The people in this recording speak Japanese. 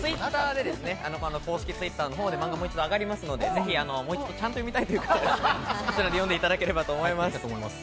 Ｔｗｉｔｔｅｒでですね、公式Ｔｗｉｔｔｅｒのほうで漫画も一度上がりますので、ぜひもう一度ちゃんと読みたいという方はそちらで読んでいただければと思います。